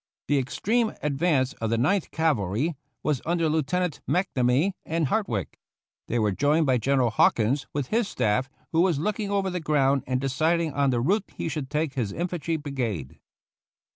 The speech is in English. The extreme advance of the Ninth Cavalry was under Lieutenants McNamee and Hartwick. They were joined by General Haw kins, with his staff, who was looking over the ground and deciding on the route he should take his infantry brigade.